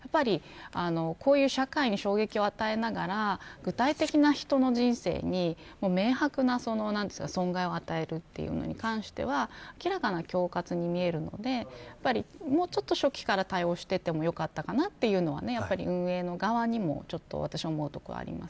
社会に衝撃を与えながら具体的な人の人生に、明白な損害を与えるということに関しては明らかな恐喝に見えるのでもう少し初期から対応してもよかったかなと運営側にも私も思うところがあります。